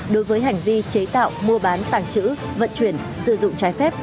đối với hành vi chế tạo mua bán tàng trữ vận chuyển sử dụng trái phép